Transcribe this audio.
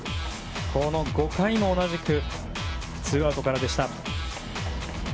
５回も同じくツーアウトからでした。